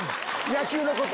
野球のこと？